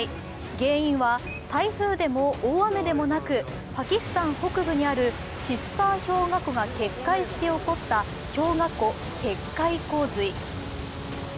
原因は、台風でも大雨でもなく、パキスタン北部にあるシスパー氷河湖が決壊して起こった氷河湖決壊洪水。